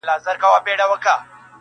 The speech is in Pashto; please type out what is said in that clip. • د جنوري پر اووه لسمه -